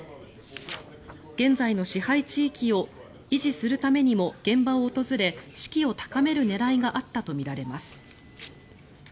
現在の支配地域を維持するためにも現場を訪れ士気を高める狙いがあったとみられます。